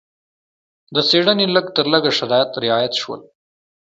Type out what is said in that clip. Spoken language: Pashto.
د څېړنې لږ تر لږه شرایط رعایت شول.